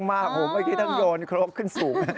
เมื่อกี้ทั้งโยนครปขึ้นสูง